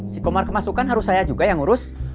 si komar kemasukan harus saya juga yang ngurus